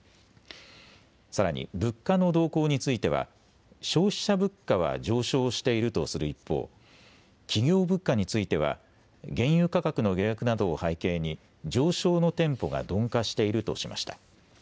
さらに物価の動向については消費者物価は上昇しているとする一方、企業物価については原油価格の下落などを背景に上昇のテンポが鈍化しているとしました。